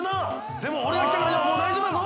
でも俺が来たからにはもう大丈夫やぞ！